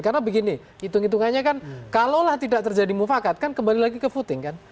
karena begini hitung hitungannya kan kalaulah tidak terjadi mufakat kan kembali lagi ke footing kan